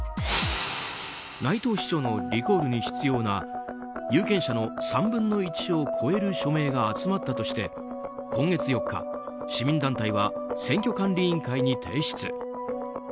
内藤市長のリコールに必要な有権者の３分の１を超える署名が集まったとして今月４日、市民団体は選挙管理委員会に提出。